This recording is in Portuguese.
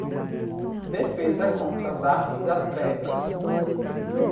Defesa Contra as Artes das Trevas